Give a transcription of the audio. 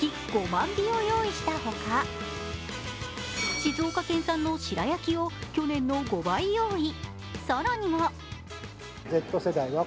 ５万尾を用意したほか静岡県産の白焼きを去年の５倍用意